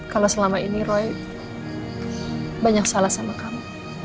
kalau selama ini roy banyak salah sama kamu